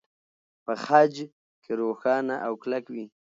په خج کې روښانه او کلک وي.